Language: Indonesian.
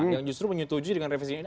yang justru menyetujui dengan revisi ini